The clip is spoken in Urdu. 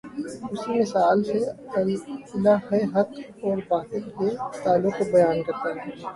اسی مثال سے اللہ حق اور باطل کے تعلق کو بیان کرتا ہے۔